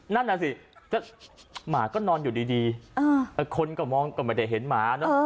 นั่นน่ะสิหมาก็นอนอยู่ดีคนก็มองก็ไม่ได้เห็นหมาเนอะ